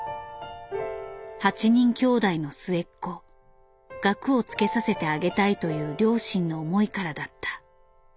８人きょうだいの末っ子学をつけさせてあげたいという両親の思いからだった。